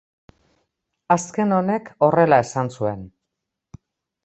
Azken honek horrela esan zuen.